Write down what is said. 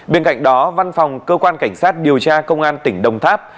bên cạnh đó văn phòng cơ quan cảnh sát điều tra công an tỉnh đồng tháp